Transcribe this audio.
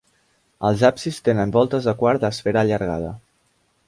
Els absis tenen voltes de quart d'esfera allargada.